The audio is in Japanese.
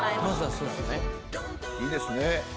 いいですね！